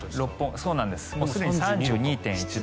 すでに３２．１度。